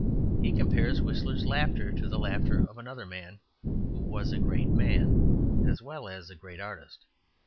He compares Whistler's laughter to the laughter of another man who was a great man as well as a great artist.